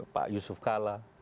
pak yusuf kala